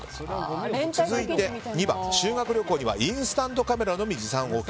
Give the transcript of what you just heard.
続いて、修学旅行にはインスタントカメラのみ持参ＯＫ。